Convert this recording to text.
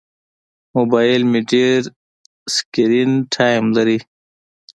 موبایل مې ډېر سکرین ټایم لري.